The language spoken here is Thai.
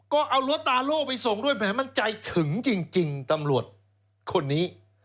ก็เอารั้วตาโล่ไปส่งด้วยแหมมันใจถึงจริงตำรวจคนนี้